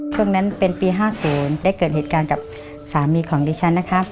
ช่วงนั้นเป็นปี๕๐ได้เกิดเหตุการณ์กับสามีของดิฉันนะครับ